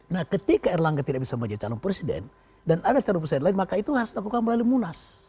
nah ketika erlangga tidak bisa menjadi calon presiden dan ada calon presiden lain maka itu harus dilakukan melalui munas